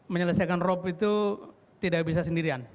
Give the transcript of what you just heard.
menyelesaikan rob itu tidak bisa sendirian